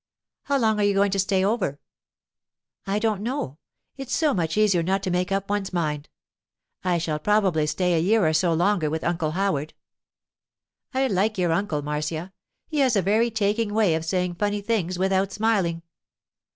'How long are you going to stay over?' 'I don't know. It's so much easier not to make up one's mind. I shall probably stay a year or so longer with Uncle Howard.' 'I like your uncle, Marcia. He has a very taking way of saying funny things without smiling.